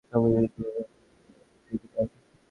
সবকিছু সুন্দরমতো শেষ হলে ও বাড়িতে ফিরতে পারবে!